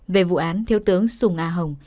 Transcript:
về vụ án thiếu tướng sùng a hồng